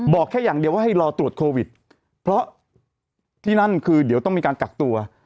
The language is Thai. แค่อย่างเดียวว่าให้รอตรวจโควิดเพราะที่นั่นคือเดี๋ยวต้องมีการกักตัว